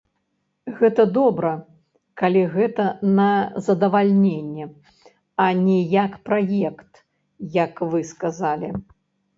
Гэта добра, калі гэта на задавальненне, а не як праект, як вы сказалі.